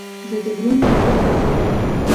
زه د غرونو لیدل خوښوم.